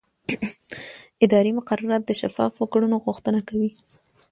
اداري مقررات د شفافو کړنو غوښتنه کوي.